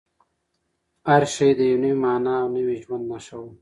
هر شی د یوې نوې مانا او نوي ژوند نښه وه.